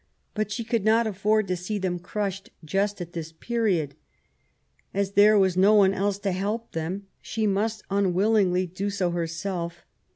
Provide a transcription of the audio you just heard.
But she could not afford to see them crushed just at this period. As there was no one else to help them, she must unwillingly do so herself.